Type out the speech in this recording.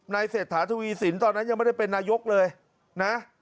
เศรษฐาทวีสินตอนนั้นยังไม่ได้เป็นนายกเลยนะ